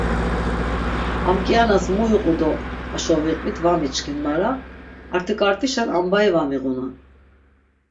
Am kianas mu iqu do aşo viqvit va miçkin mara artik̆artişen ambai va miğunan.